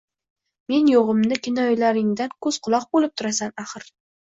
Men yo`g`imda kennoyilaringdan ko`z quloq bo`lib turasan, axir